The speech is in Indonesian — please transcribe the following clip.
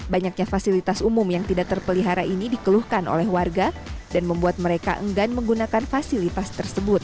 banyaknya fasilitas umum yang tidak terpelihara ini dikeluhkan oleh warga dan membuat mereka enggan menggunakan fasilitas tersebut